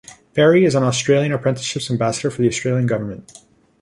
Perry is an Australian Apprenticeships Ambassador for the Australian Government.